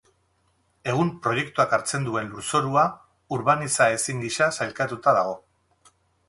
Egun proiektuak hartzen duen lurzorua urbanizaezin gisa sailkatuta dago.